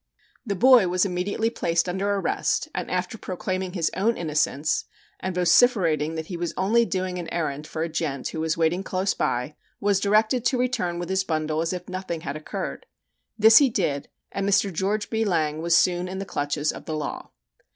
] The boy was immediately placed under arrest, and after proclaiming his own innocence and vociferating that he was only doing an errand for a "gent," who was waiting close by, was directed to return with his bundle as if nothing had occurred. This he did, and Mr. George B. Lang was soon in the clutches of the law.